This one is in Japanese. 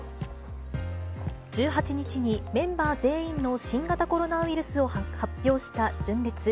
１８日に、メンバー全員の新型コロナウイルスを発表した純烈。